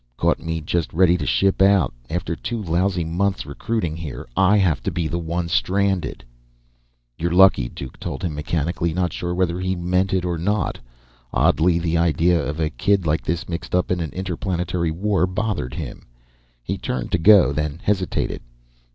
Caught me just ready to ship out after two lousy months recruiting here, I have to be the one stranded." "You're lucky," Duke told him mechanically, not sure whether he meant it or not. Oddly, the idea of a kid like this mixed up in an interplanetary war bothered him. He turned to go, then hesitated.